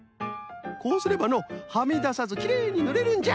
こうすればのはみださずきれいにぬれるんじゃ。